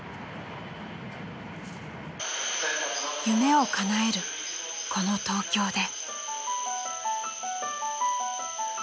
［夢をかなえるこの東京で］